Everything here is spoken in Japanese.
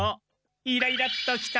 イライラッときたら？